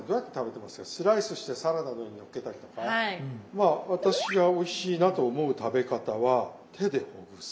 まあ私がおいしいなと思う食べ方は手でほぐす。